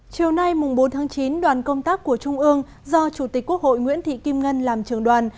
chiều nay bốn tháng chín đoàn công tác của trung ương do chủ tịch quốc hội nguyễn thị kim ngân làm trường đoàn